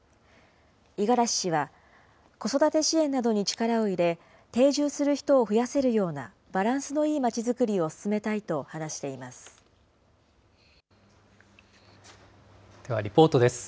五十嵐氏は、子育て支援などに力を入れ、定住する人を増やせるようなバランスのいいまちづくりを進めたいではリポートです。